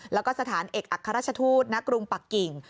แล้วก็สถานเอกอัครราชทูตณกรุงปักกิ่ง